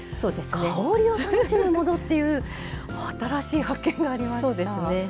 香りを楽しむものっていう新しい発見がありました。